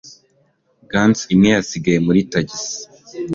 Gants imwe yasigaye muri tagisi.